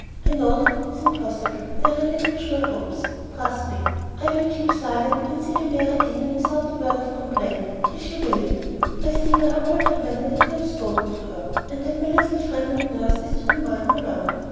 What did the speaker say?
I know that it is impossible, and I relinquish my hopes. Trust me. I will keep silent and see her marry Annon without a word of complaint, if you will it. I see by her altered manner that you have spoken to her, and that my little friend and nurse is to be mine no longer.